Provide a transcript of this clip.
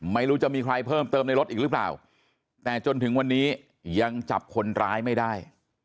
ไม่รู้จะมีใครเพิ่มเติมในรถอีกหรือเปล่าแต่จนถึงวันนี้ยังจับคนร้ายไม่ได้